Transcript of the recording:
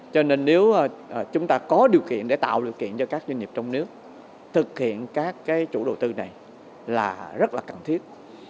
cho nên nếu chúng ta có điều kiện để tạo điều kiện cho các doanh nghiệp trong nước thực hiện các chủ đầu tư này là rất là cần thiết